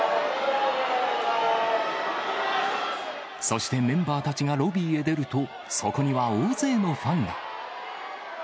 そしてメンバーたちがロビーへ出ると、そこには大勢のファンが。